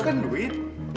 itu kan duit